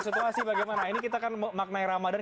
situasi bagaimana ini kita kan maknai ramadhan